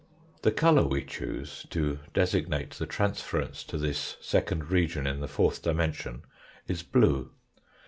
The colour we choose to designate the transference to this second region in the fourth' dimension is blue.